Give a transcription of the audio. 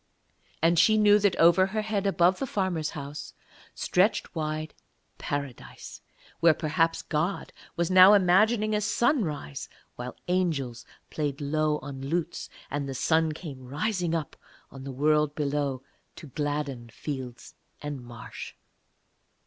And she knew that over her head above the farmer's house stretched wide Paradise, where perhaps God was now imagining a sunrise while angels played low on lutes, and the sun came rising up on the world below to gladden fields and marsh.